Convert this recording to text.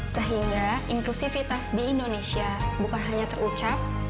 sehingga inklusivitas di indonesia bukan hanya terucap